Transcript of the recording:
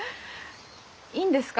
いいんですか？